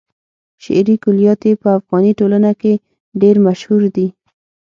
شعري کلیات يې په افغاني ټولنه کې ډېر مشهور دي.